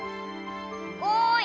おい！